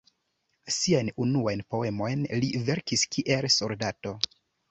Siajn unuajn poemojn li verkis kiel soldato.